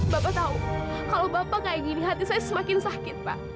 bapak tahu kalau bapak kayak gini hati saya semakin sakit pak